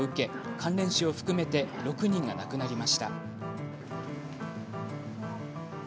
関連死を含めて６人が亡くなりました。